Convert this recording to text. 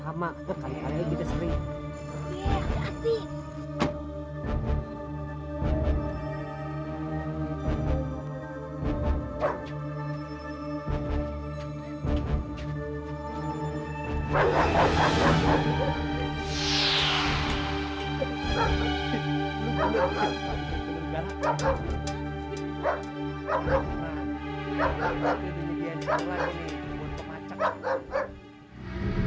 atau sama sama kita sering sering